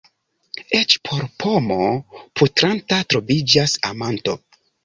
Eĉ por pomo putranta troviĝas amanto.